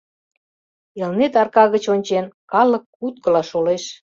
Элнет арка гыч ончен, калык куткыла шолеш.